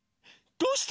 どうして？